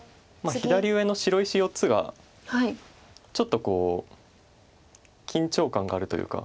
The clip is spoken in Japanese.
左上の白石４つがちょっと緊張感があるというか。